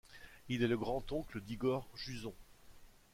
Il est le grand-oncle d'Igor Juzon.